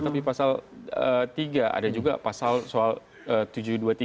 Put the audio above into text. tapi pasal tiga ada juga pasal soal tujuh ratus dua puluh tiga tadi